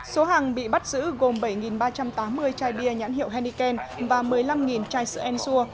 số hàng bị bắt giữ gồm bảy ba trăm tám mươi chai bia nhãn hiệu henneken và một mươi năm chai sữa ensur